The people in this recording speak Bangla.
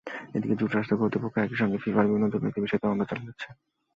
এদিকে যুক্তরাষ্ট্রের কর্তৃপক্ষও একই সঙ্গে ফিফার বিভিন্ন দুর্নীতির বিষয়ে তদন্ত চালিয়ে যাচ্ছে।